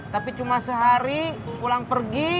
tapi cuma sehari pulang pergi